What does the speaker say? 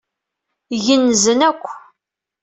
Gennzen akk.